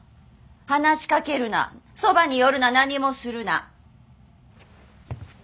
話しかけるなそばに寄るな何もするな。